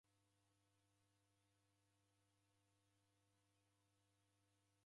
Kwaki usebonyagha malagho ghiko na mwengere?